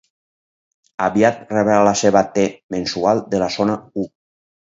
Aviat rebrà la seva T-mensual de la zona u.